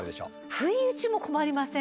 不意打ちも困りません？